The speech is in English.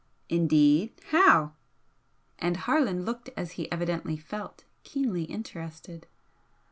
"Indeed! How?" And Harland looked as he evidently felt, keenly interested.